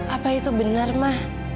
apa itu benar ma